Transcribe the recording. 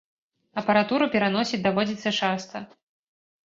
Апаратуру пераносіць даводзіцца часта.